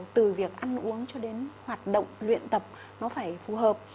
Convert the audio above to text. từ việc ăn uống cho đến hoạt động luyện tập nó phải phù hợp